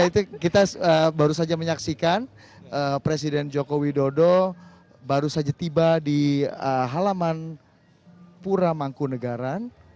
baik itu kita baru saja menyaksikan presiden joko widodo baru saja tiba di halaman pura mangkunagaran